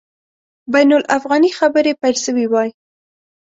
بین الافغاني خبري پیل سوي وای.